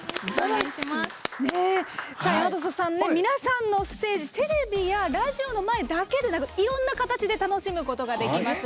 皆さんのステージテレビやラジオの前だけでなくいろんな形で楽しむことができます。